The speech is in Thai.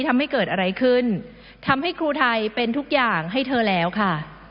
ทำให้เกิดอะไรขึ้นทำให้ครูไทยเป็นทุกอย่างให้เธอแล้วค่ะ